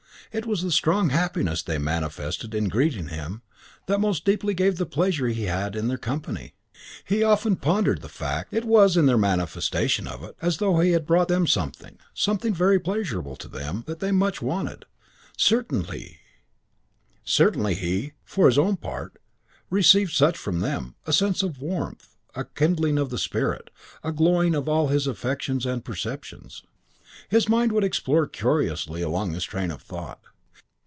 It was the strong happiness they manifested in greeting him that most deeply gave the pleasure he had in their company. He often pondered the fact. It was, in their manifestation of it, as though he brought them something, something very pleasurable to them and that they much wanted. Certainly he, for his own part, received such from them: a sense of warmth, a kindling of the spirit, a glowing of all his affections and perceptions. His mind would explore curiously along this train of thought.